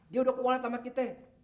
dia udah kewalah sama kita